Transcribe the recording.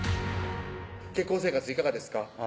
結婚生活いかがですか？